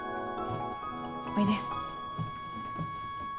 おいで。